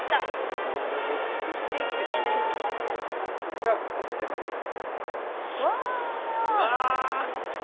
ではのせてまいります。